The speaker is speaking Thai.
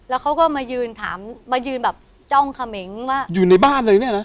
แล้วเขาก็มายืนถามมายืนแบบจ้องเขมงว่าอยู่ในบ้านเลยเนี่ยนะ